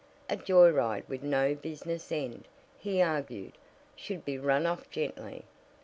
"A joy ride, with no business end," he argued, "should be run off gently.